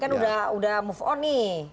kan udah move on nih